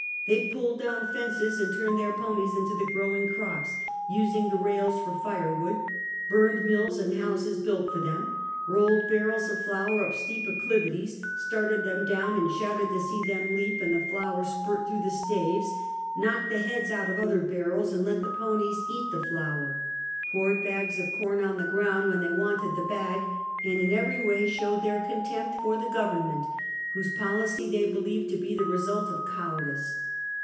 They pulled down fences, and turned their ponies into the growing crops, used the rails for fire wood, burned mills and houses built for them, rolled barrels of flour up steep acclivities, started them down and shouted to sec them leap and the flour spurt through the staves; knocked the heads out of other barrels, and let the ponies eat the flour; poured bags of corn 228 Half a Centuet. on the ground when they wanted the bag, and in every way showed their contempt for the government, whose policy they believed to be the result of cowardice.